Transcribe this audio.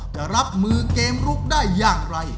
จะรับมือเกมลุกได้อย่างไร